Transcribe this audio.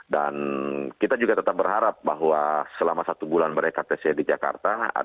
dan kita juga tetap berharap bahwa selama satu bulan mereka pc di jakarta